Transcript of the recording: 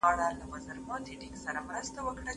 عدالت د هر حکومت اصلي پايه ده.